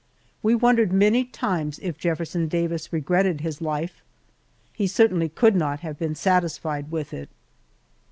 We wondered many times if Jefferson Davis regretted his life. He certainly could not have been satisfied with it.